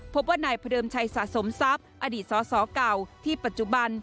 พบว่านายพระเดิมชัยสะสมทรัพย์อดีตสสเก่าที่ปัจจุบัน